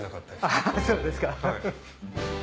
あっそうですか。